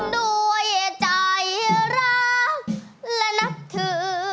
ด้วยใจรักและนับถือ